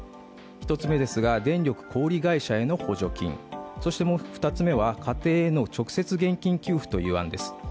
１つ目ですが電力小売会社への補助金、そして２つ目は家庭への直接現金給付という案です。